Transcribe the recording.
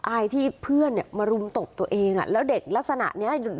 อายที่เพื่อนเนี่ยมารุมตบตัวเองอ่ะแล้วเด็กลักษณะเนี้ย